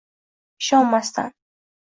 Ishonmasdan